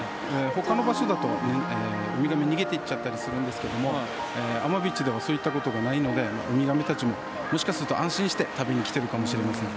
他の場所だとウミガメ逃げていっちゃったりするんですけど阿真ビーチではそういったことがないのでウミガメたちももしかすると、安心して食べにきてるかもしれません。